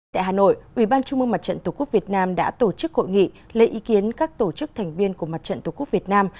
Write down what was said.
tại hà nội ủy ban trung mương mặt trận tổ quốc việt nam đã tổ chức hội nghị lấy ý kiến các tổ chức thành viên của mặt trận tổ quốc việt nam